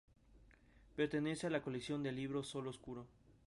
Pertenece a la colección de libros Sol Oscuro.